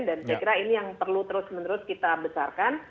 dan saya kira ini yang perlu terus menerus kita besarkan